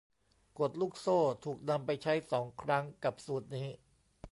กฎลูกโซ่ถูกนำไปใช้สองครั้งกับสูตรนี้